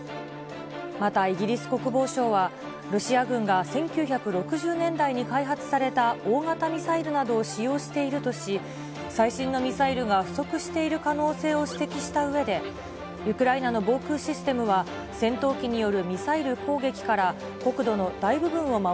またイギリス国防省は、ロシア軍が１９６０年代に開発された大型ミサイルなどを使用しているとし、最新のミサイルが不足している可能性を指摘したうえで、ウクライナの防空システムは、今どのような気持ちですか。